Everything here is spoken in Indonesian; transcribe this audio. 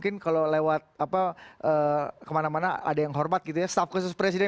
ini namanya pak jk jalan keluar